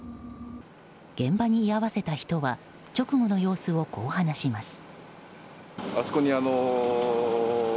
現場に居合わせた人は直後の様子を、こう話します。